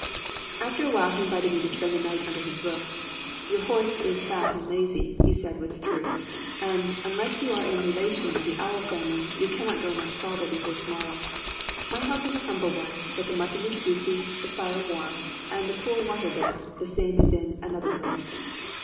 After a while he invited me to spend the night under his roof. "Your horse is fat and lazy," he said with truth, "and, unless you are a relation of the owl family, you cannot go much farther before to morrow. My house is a humble one, but the mutton is juicy, the fire warm, and the water cool there, the same as in another place."